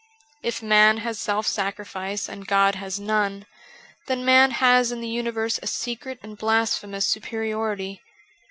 If man has self sacrifice and God has none, then man has in the universe a secret and blasphemous superiority.